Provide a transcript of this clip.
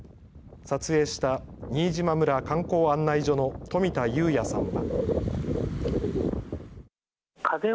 撮影した、新島村観光案内所の富田裕也さんは。